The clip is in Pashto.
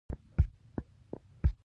هغوی د ژمنې په بڼه غروب سره ښکاره هم کړه.